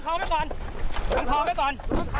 ขอมีก่อน